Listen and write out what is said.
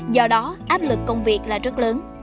do đó áp lực công việc là rất lớn